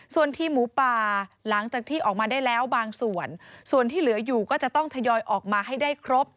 ส่วนทีมหมูป่าหลังจากที่ออกมาได้แล้วบางส่วนส่วนที่เหลืออยู่ก็จะต้องทยอยออกมาให้ได้ครบ